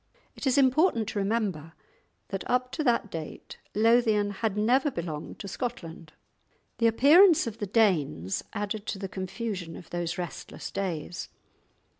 It is important to remember that up to that date Lothian had never belonged to Scotland. The appearance of the Danes added to the confusion of those restless days.